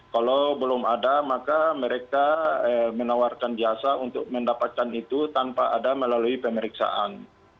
kalau belum ada maka mereka menawarkan jasa untuk mendapatkan itu tanpa ada melalui pemeriksaan